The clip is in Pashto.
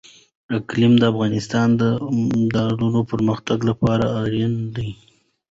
اقلیم د افغانستان د دوامداره پرمختګ لپاره اړین دي.